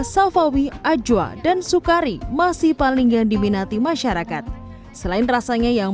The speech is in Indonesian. salfawi ajwa dan sukari masih paling yang diminati masyarakat selain rasanya yang